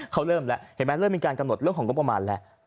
เขาเริ่มแล้วเห็นไหมเริ่มมีการกำหนดเรื่องของงบประมาณแล้ว